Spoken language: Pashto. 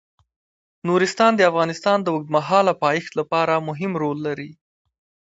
نورستان د افغانستان د اوږدمهاله پایښت لپاره مهم رول لري.